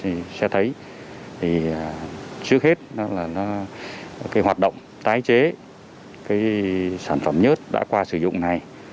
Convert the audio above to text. chúng tôi sẽ thấy trước hết là cái hoạt động tái chế cái sản phẩm nhớt đã qua sử dụng này